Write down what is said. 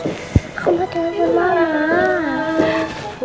aku mau telepon mama